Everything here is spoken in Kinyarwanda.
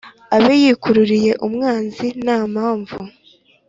abe yikururiye umwanzi nta mpamvu,